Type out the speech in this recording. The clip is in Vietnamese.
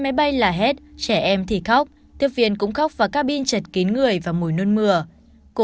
máy bay là hét trẻ em thì khóc tiếp viên cũng khóc và cabin chật kín người và mùi nôn mưa cô